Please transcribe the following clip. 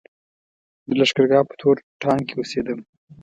د لښکرګاه په تور ټانګ کې اوسېدم.